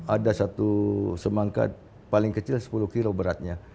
ada satu semangka paling kecil sepuluh kilo beratnya